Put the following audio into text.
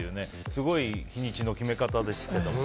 すごい日にちの決め方でしたけども。